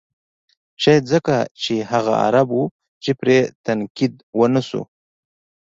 شاید ځکه چې هغه عرب و چې پرې تنقید و نه شو.